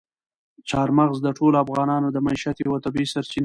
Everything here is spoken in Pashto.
چار مغز د ټولو افغانانو د معیشت یوه طبیعي سرچینه ده.